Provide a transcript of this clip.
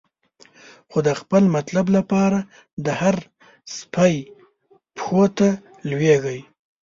خو د خپل مطلب لپاره، د هر سپی پښو ته لویږی